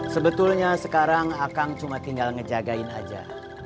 sebetulnya sekarang akang cuma tinggal ngejagain aja